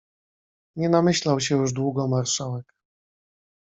"Nie namyślał się już długo marszałek."